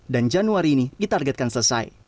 dan januari ini ditargetkan selesai